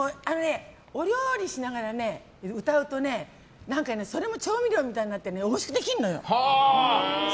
お料理しながら歌うとね何かね、それも調味料になっておいしくできるのよ！